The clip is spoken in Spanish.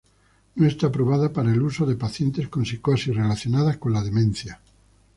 No está aprobada para el uso en pacientes con psicosis relacionada con la demencia.